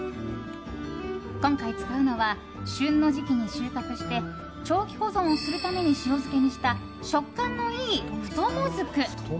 今回使うのは旬の時期に収穫して長期保存をするために塩漬けにした食感のいい、太モズク。